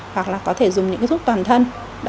hoặc là có thể dùng những cái giúp toàn thân